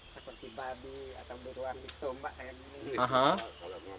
kalau ditiup seperti babi atau buru anggis tombak kayak gini